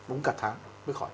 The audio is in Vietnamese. uống cả tháng mới khỏi